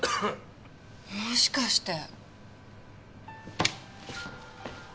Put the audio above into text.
もしかして。